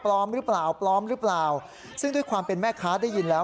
หรือเปล่าปลอมหรือเปล่าซึ่งด้วยความเป็นแม่ค้าได้ยินแล้ว